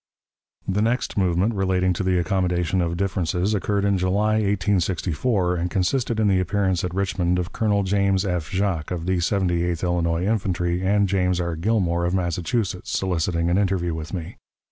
The next movement relating to the accommodation of differences occurred in July, 1864, and consisted in the appearance at Richmond of Colonel James F. Jacques, of the Seventy eighth Illinois Infantry, and James R. Gilmore, of Massachusetts, soliciting an interview with me.